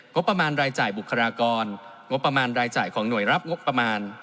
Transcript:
ประมาณรายจ่ายบุคลากรงบประมาณรายจ่ายของหน่วยรับงบประมาณ